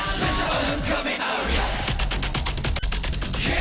え？